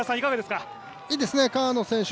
いいですね、川野選手